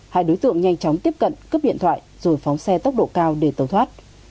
hai đối tượng nhanh chóng tiếp cận cướp điện thoại rồi phóng xe tốc độ cao để tàu thoát